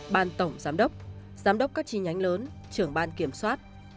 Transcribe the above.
ban tổng giám đốc giám đốc các chi nhánh lớn trưởng ban kiểm soát